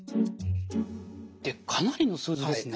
かなりの数字ですね。